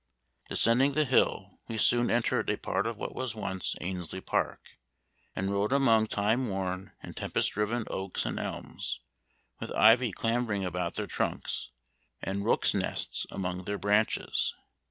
Descending the bill, we soon entered a part of what once was Annesley Park, and rode among time worn and tempest riven oaks and elms, with ivy clambering about their trunks, and rooks' nests among their branches.